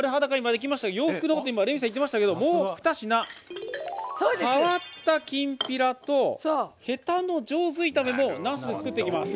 できましたが洋服のこと、レミさんが言ってましたがもう２品、「皮ったきんぴら」と「ヘタの上手炒め」もなすで作っていきます。